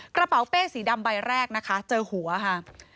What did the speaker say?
กระเป๋าเป้สีดำใบแรกนะคะเจอหัวค่ะ